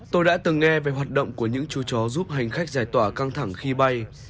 tôi đã từng nghe về hoạt động của những chú chó giúp hành khách giải tỏa căng thẳng khi bay